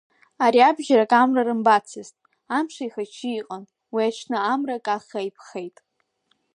Ариабжьарак амра рымбаӡацызт, амш еихашьшьы иҟан, уи аҽны амра каххаа иԥхеит.